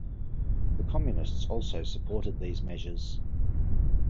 The Communists also supported these measures.